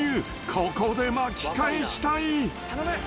ここで巻き返したい。